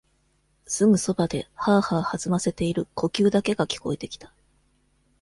すぐそばで、はあはあ弾ませている呼吸だけが聞こえてきた。